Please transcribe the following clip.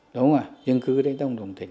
đúng không ạ dân cư ở đây ta cũng đồng tình